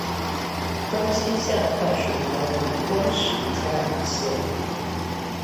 東西向快速公路東石嘉義線